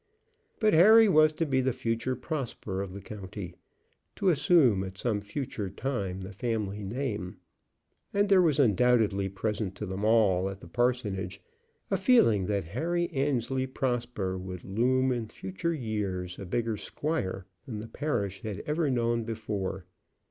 But Harry was to be the future Prosper of the county; to assume at some future time the family name; and there was undoubtedly present to them all at the parsonage a feeling that Harry Annesley Prosper would loom in future years a bigger squire than the parish had ever known before.